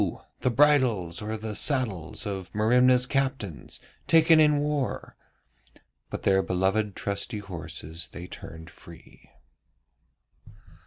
the bridles or the saddles of Merimna's captains, taken in war,' but their beloved trusty horses they turned free.